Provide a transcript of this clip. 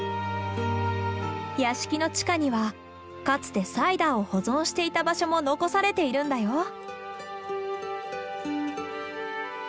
屋敷の地下にはかつてサイダーを保存していた場所も残されているんだよ。